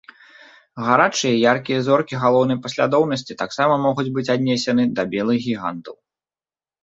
Гарачыя і яркія зоркі галоўнай паслядоўнасці таксама могуць быць аднесены да белых гігантаў.